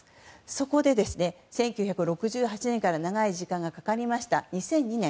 そこで、１９６８年から長い時間がかかりました